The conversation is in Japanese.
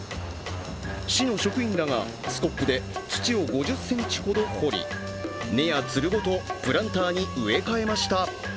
市の職員らがスコップで土を５０ｃｍほど掘り根やつるごと、プランターに植え替えました。